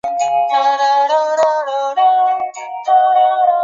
展枝沙参为桔梗科沙参属的植物。